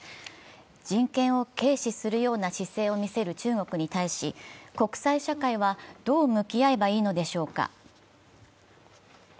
人権を軽視するような姿勢を見せる中国に対し国際社会はどう向き合えばいいのでしょうか。